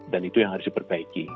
dan itu yang harus diperbaiki